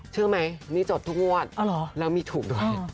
เชื่อไหมนี่จดทุกงวดแล้วมีถูกด้วย